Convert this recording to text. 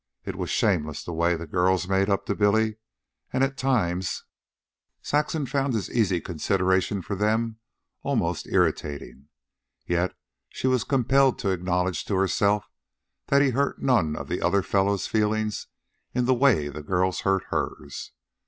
It was shameless the way the girls made up to Billy, and, at times, Saxon found his easy consideration for them almost irritating. Yet she was compelled to acknowledge to herself that he hurt none of the other fellows' feelings in the way the girls hurt hers.